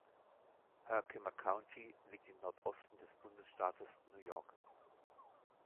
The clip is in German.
Herkimer County liegt im Nordosten des Bundesstaates New York.